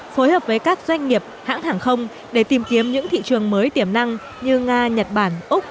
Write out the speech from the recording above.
phối hợp với các doanh nghiệp hãng hàng không để tìm kiếm những thị trường mới tiềm năng như nga nhật bản úc